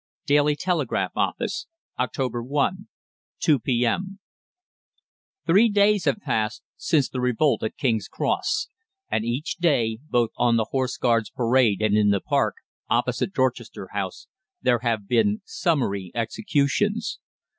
"'DAILY TELEGRAPH' OFFICE. "Oct. 1, 2 P.M. "Three days have passed since the revolt at King's Cross, and each day, both on the Horse Guards' Parade and in the Park, opposite Dorchester House, there have been summary executions.